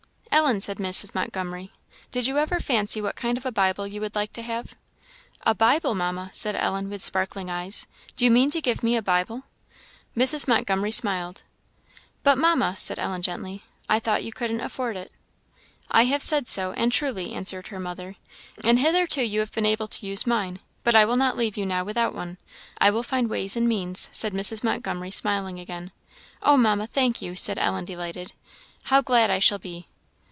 "Ellen," said Mrs. Montgomery, "did you ever fancy what kind of a Bible you would like to have?" "A Bible, Mamma!" said Ellen, with sparkling eyes; "do you mean to give me a Bible?" Mrs. Montgomery smiled. "But, Mamma," said Ellen, gently, "I thought you couldn't afford it?" "I have said so, and truly," answered her mother; "and hitherto you have been able to use mine, but I will not leave you now without one. I will find ways and means," said Mrs. Montgomery, smiling again. "Oh, Mamma, thank you," said Ellen, delighted; "how glad I shall be!"